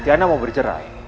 tiana mau bercerai